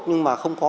nhưng mà không có